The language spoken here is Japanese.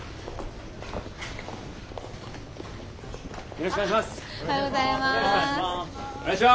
よろしくお願いします。